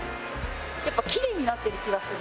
やっぱきれいになってる気がする。